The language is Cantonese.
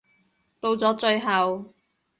到咗最後